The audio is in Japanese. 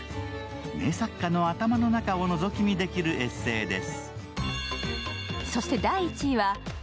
名作家の頭の中をのぞき見できるエッセイです。